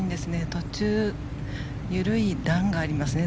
途中、緩い段がありますね